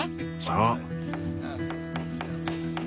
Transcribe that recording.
そう。